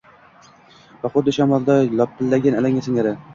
va xuddi shamolda lopillagan alanga singari